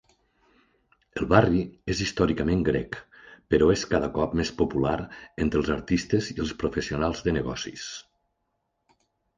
El barri és històricament grec, però és cada cop més popular entre els artistes i els professionals de negocis.